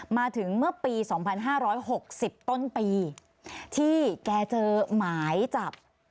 มาถึงเมื่อปี๒๕๖๐ต้นปีที่แกเจอหมายจับ